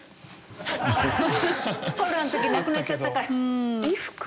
コロナの時なくなっちゃったから。